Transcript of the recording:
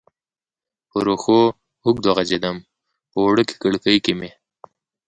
پر وښو اوږد وغځېدم، په وړوکې کړکۍ کې مې.